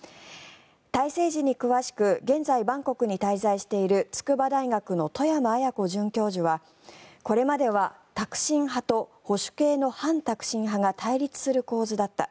タイ政治に詳しく現在バンコクに滞在している筑波大学の外山文子准教授はこれまではタクシン派と保守系の反タクシン派が対立する構図だった。